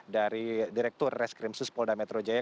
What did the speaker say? dari direktur reskrim suspolda metro jaya